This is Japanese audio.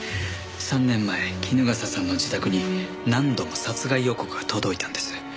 ３年前衣笠さんの自宅に何度も殺害予告が届いたんです。